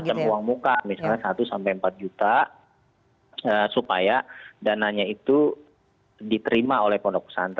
semacam uang muka misalnya satu sampai empat juta supaya dananya itu diterima oleh pondok pesantren